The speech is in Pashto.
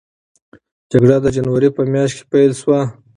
جګړه د جنورۍ په میاشت کې پیل شوه.